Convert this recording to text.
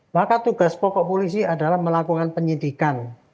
maka tugas pokok polisi adalah melakukan penyidikan